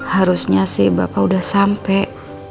harusnya sih bapak udah sampai